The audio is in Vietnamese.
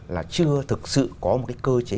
là chưa thực sự có một cái cơ chế